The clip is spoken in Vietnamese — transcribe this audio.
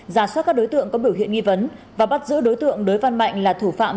giả soát các đối tượng có biểu hiện nghi vấn và bắt giữ đối tượng đối văn mạnh là thủ phạm